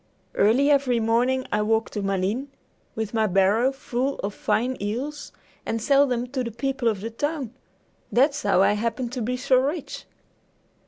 Early every morning I walk to Malines with my barrow full of fine eels, and sell them to the people of the town. That's how I happen to be so rich!"